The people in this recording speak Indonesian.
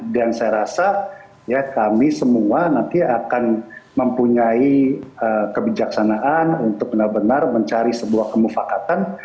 dan saya rasa kami semua nanti akan mempunyai kebijaksanaan untuk benar benar mencari sebuah kemufakatan